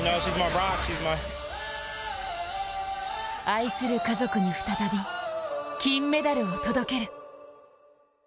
愛する家族に再び金メダルを届ける。